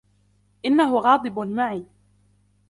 إنهُ غاضب معي.